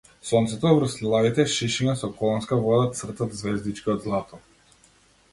Сонцето врз лилавите шишиња со колонска вода црта ѕвездички од злато.